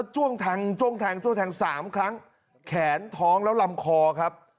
จ้วงแทงสามครั้งแขนท้องแล้วลำคอครับ